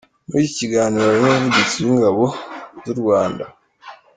Muri iki kiganiro harimo Umuvugizi w’Ingabo z’u Rwanda Bg.